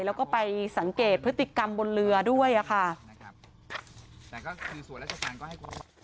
แล้วก็ไปสังเกตพฤติกรรมบนเรือด้วยอ่ะค่ะนะครับแต่ก็คือส่วนราชการก็ให้ความ